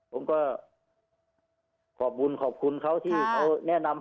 ผมก็ขอบคุณขอบคุณเขาที่เขาแนะนำ